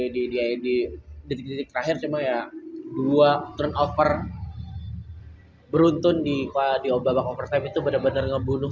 di di di di di terakhir semuanya dua turnover beruntun di kode obat obat itu benar benar ngebunuh